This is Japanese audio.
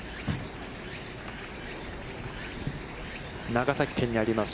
長崎県にあります